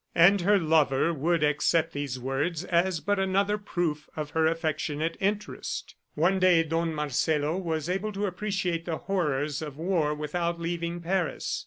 And her lover would accept these words as but another proof of her affectionate interest. One day Don Marcelo was able to appreciate the horrors of the war without leaving Paris.